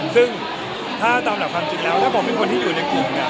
ซึ่งถ้าตามหลักความจริงแล้วถ้าผมเป็นคนที่อยู่ในกลุ่มเนี่ย